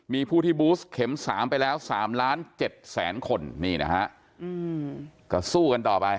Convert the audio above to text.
มีผู้ที่บูสเข็ม๓ไปแล้ว๓ล้าน๗แสนคนนี่นะฮะก็สู้กันต่อไป